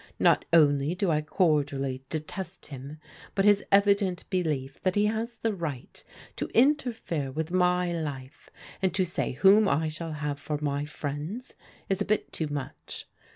Not only do I cordially detest him, but his evident belief that he has the right to interfere with my life, and to say whom I shall have for my friends, is a bit too much.